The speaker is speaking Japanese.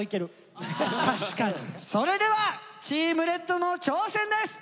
それではチームレッドの挑戦です。